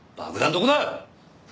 どこだ？